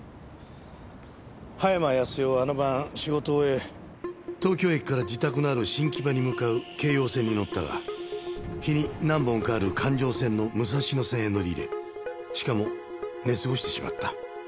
葉山康代はあの晩仕事を終え東京駅から自宅のある新木場に向かう京葉線に乗ったが日に何本かある環状線の武蔵野線へ乗り入れしかも寝過ごしてしまった。